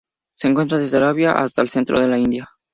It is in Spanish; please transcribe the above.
Se encuentra desde Arabia hasta el centro de la India.